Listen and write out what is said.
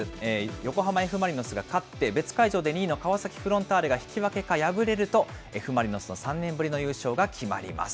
横浜Ｆ・マリノスが勝って、別会場で２位の川崎フロンターレが引き分けか敗れると、Ｆ・マリノスの３年ぶりの優勝が決まります。